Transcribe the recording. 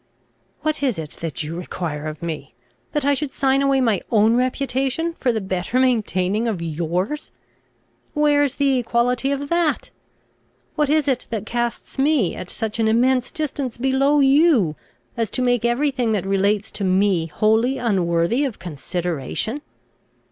"What is it that you require of me? that I should sign away my own reputation for the better maintaining of yours. Where is the equality of that? What is it that casts me at such an immense distance below you, as to make every thing that relates to me wholly unworthy of consideration?